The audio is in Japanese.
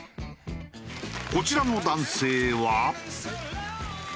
こちらの男性は。